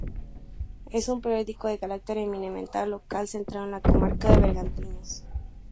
Es un periódico de carácter eminentemente local, centrado en la comarca de Bergantiños.